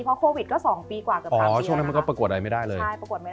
พอโควิดก็๒ปีกว่าเกือบ๓ปีเลยนะครับไม่มีงานเลย